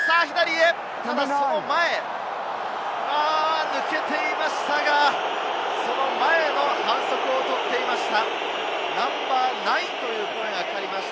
ただその前、抜けていましたが、その前の反則を取っていました。